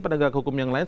penegak hukum yang lain